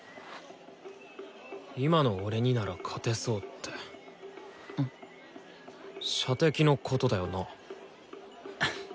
今の俺になら勝てそうって射的のことだよな？